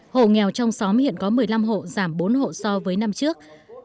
hộ nghèo trong xóm hiện có một mươi năm hộ giảm bốn hộ so với năm trước